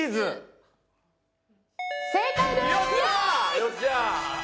よっしゃー！